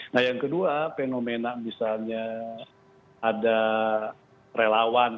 nah yang kedua fenomena misalnya ada relawan